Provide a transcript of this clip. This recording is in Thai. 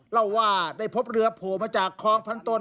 เล่าว่าได้พบเรือโผล่มาจากคลองพันตน